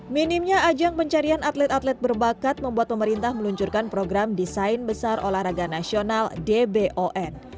minimnya ajang pencarian atlet atlet berbakat membuat pemerintah meluncurkan program desain besar olahraga nasional dbon